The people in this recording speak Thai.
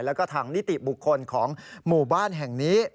แล้วก็ทางนิติบุคคลของหมู่บ้านแห่งนี้